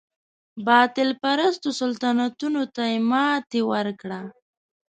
باطل پرستو سلطنتونو ته ماتې ورکړه.